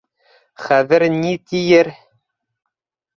Хәҙер ни тиер?